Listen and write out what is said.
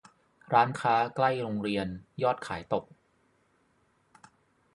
ร้านค้าใกล้โรงเรียนยอดขายตก